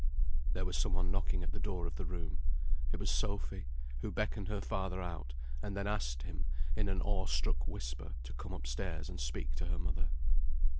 There was some one knocking at the door of the room. It was Sophy, who beckoned her father out, and then asked him, in an awe struck whisper, to come up stairs and speak to her mother.